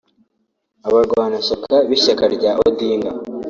Abarwanashyaka b’ishyaka rya Odinga